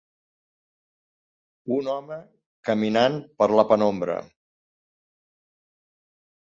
Un home caminant per la penombra.